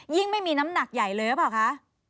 ไม่มีน้ำหนักใหญ่เลยหรือเปล่าคะ